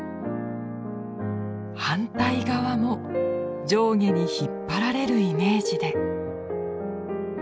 反対側も上下に引っ張られるイメージで。